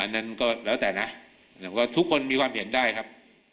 นั่นก็แล้วแต่นะว่าทุกคนมีความเห็นได้ครับ